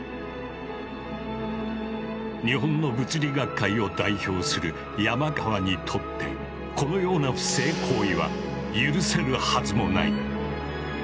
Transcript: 日本の物理学会を代表する山川にとってこのような不正行為は許せるはずもない。